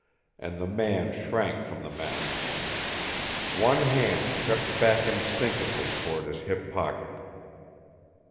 And the man shrank from the menace. One hand crept back instinctively toward his hip pocket.